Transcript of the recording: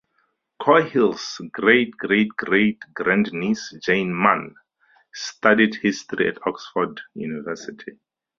Coghill's great-great-great grand-niece, Jane Mann studied History at Oxford University.